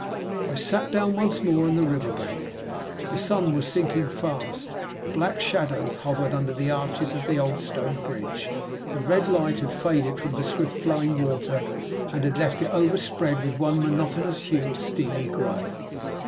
I sat down once more on the river bank. The sun was sinking fast. Black shadows hovered under the arches of the old stone bridge. The red light had faded from the swift flowing water, and had left it overspread with one monotonous hue of steely gray.